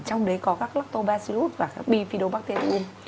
trong đấy có các lactobacillus và các bifidobacterium